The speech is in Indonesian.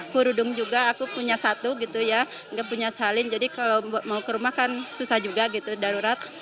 kurudung juga aku punya satu gitu ya nggak punya salin jadi kalau mau ke rumah kan susah juga gitu darurat